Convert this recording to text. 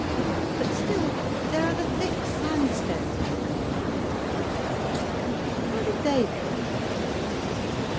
But still there are the thick sandstones in the coal mine to be explained. How did they come there?